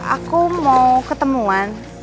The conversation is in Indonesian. aku mau ketemuan